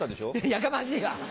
やかましいわ！